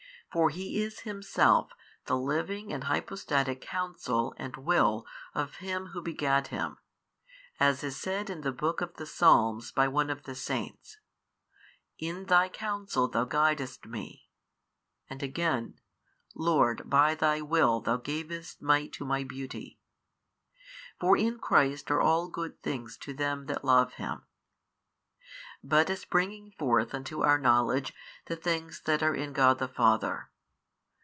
for He is Himself the Living and Hypostatic Counsel and Will of Him Who begat Him, as is said in the Book of the Psalms by one of the Saints, In Thy Counsel Thou guidedst me, and again, Lord by Thy Will Thou gavest might to my beauty : for in Christ are all good things to them that love Him) but as bringing forth unto our knowledge the things that are in God the Father.